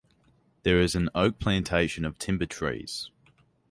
There is an oak plantation of timber trees.